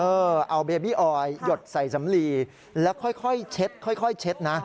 เออเอาเบบี้ออยหยดใส่สำลีแล้วค่อยเช็ดค่อยเช็ดนะ